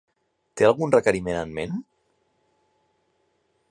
Té algun requeriment en ment?